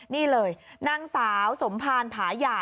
นี่เลยนางสาวสมภารผาหย่า